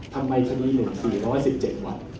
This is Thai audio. ทำไมคดิ๑มา๔๙๗วัตต์